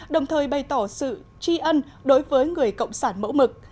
đồng thời bày tỏ sự tri ân đối với người cộng sản mẫu mực